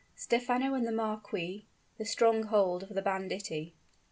STEPHANO AND THE MARQUIS THE STRONGHOLD OF THE BANDITTI.